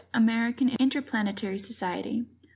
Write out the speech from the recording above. American Interplanetary Society.